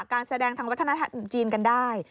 การแสดงทางวัฒนธรรมจีนกันได้